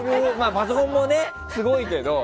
パソコンもすごいけど。